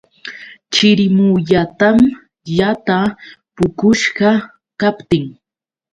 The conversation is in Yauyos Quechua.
Chirimuyatam yataa puqushqa kaptin.